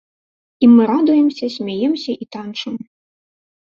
І мы радуемся, смяемся і танчым.